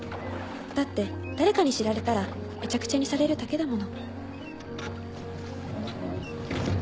だって誰かに知られたらめちゃくちゃにされるだけだもの。